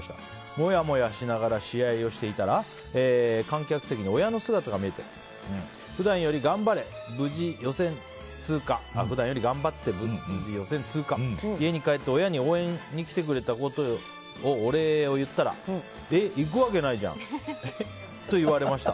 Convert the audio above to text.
もやもやしながら試合をしていたら観客席に親の姿が見えて普段より頑張れ、無事予選通過家に帰って親に応援に来てくれたことのお礼を言ったら行くわけないじゃん！と言われました。